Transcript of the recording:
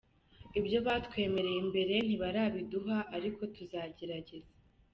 Ibyo batwemereye mbere ntibarabiduha ariko tuzagerageza.